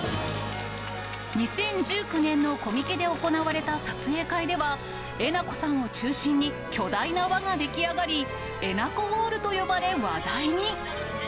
２０１９年のコミケで行われた撮影会では、えなこさんを中心に、巨大な輪が出来上がり、えなこウォールと呼ばれ話題に。